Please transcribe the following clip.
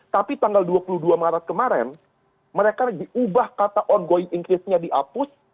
tapi tanggal dua puluh dua maret kemarin mereka diubah kata ongoing en case nya dihapus